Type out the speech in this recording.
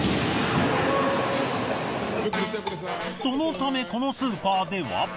そのためこのスーパーでは。